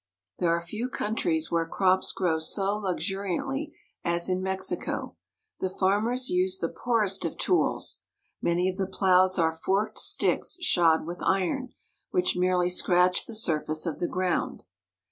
There are few countries where crops grow so luxuri antly as in Mexico. The farmers use the poorest of tools. Many of the plows are forked sticks shod with iron, which merely scratch the surface of the ground.